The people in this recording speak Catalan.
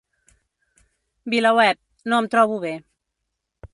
VilaWeb: No em trobo bé.